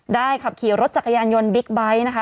ได้ครับขี่รถจักรยานยนต์บิ๊กไบท์